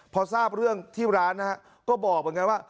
พอทราบเรื่องที่ร้านนะฮะก็บอกเหมือนกันว่า